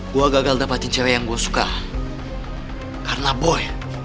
gue gagal dapetin cewek yang gue suka karena boy